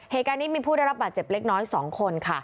เหตุการณ์นี้มีผู้ได้รับบาดเจ็บเล็กน้อย๒คนค่ะ